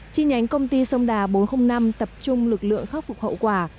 chi nhánh công ty sông đà bốn trăm linh năm tập trung lực lượng khắc phục hậu quả